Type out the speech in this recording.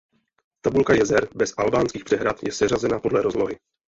Tabulka jezer bez albánských přehrad je seřazena podle rozlohy.